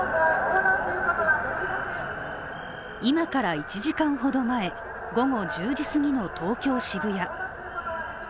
今から１時間ほど前、午後１０時すぎの東京・渋谷。